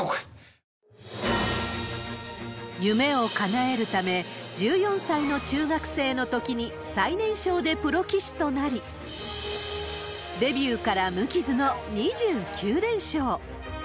夢をかなえるため、１４歳の中学生のときに最年少でプロ棋士となり、デビューから無傷の２９連勝。